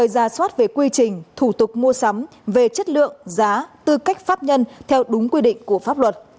ra soát về quy trình thủ tục mua sắm về chất lượng giá tư cách pháp nhân theo đúng quy định của pháp luật